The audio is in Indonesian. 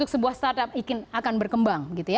sebuah startup akan berkembang